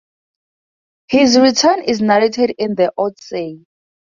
His return is narrated in the "Odyssey".